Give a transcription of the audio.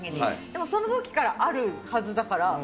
でもそのときからあるはずだから。